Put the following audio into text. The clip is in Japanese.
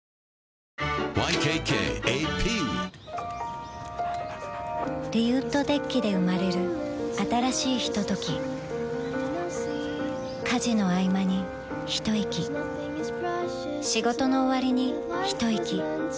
ＹＫＫＡＰリウッドデッキで生まれる新しいひととき家事のあいまにひといき仕事のおわりにひといき